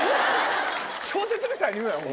小説みたいに言うな。